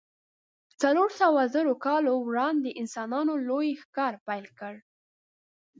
څلور سوو زرو کلونو وړاندې انسانانو لوی ښکار پیل کړ.